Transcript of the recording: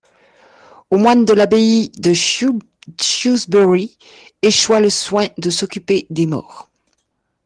Aux moines de l'abbaye de Shrewsbury, échoit le soin de s'occuper des morts.